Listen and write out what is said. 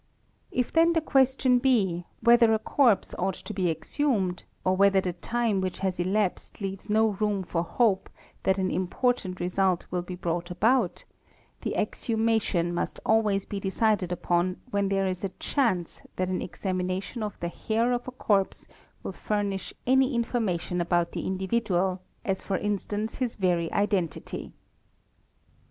If then the question be whether a corpse ought to be exhumed, or whether the time which has elapsed leaves no room for hope that an important result will be brought about, the exhumation must always be decided upon when there is a chance that an examination of the hair of a corpse will furnish any information about the individual, HAIR 201 __as for instance his very identity.